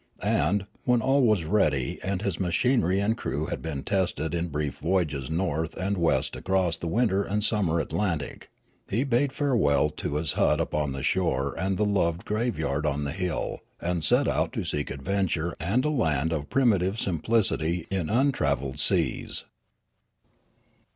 And, when all was ready and his machinery and crew had been tested in brief voyages north and west across the winter and summer Atlantic, he bade farewell to his hut upon the shore and the loved graveyard on the hill and set out to seek adventure and a land of primitive simplicity in untravelled seas.